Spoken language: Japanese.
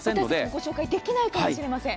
ご紹介できないかもしれません。